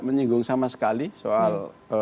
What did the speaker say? menyinggung sama sekali soal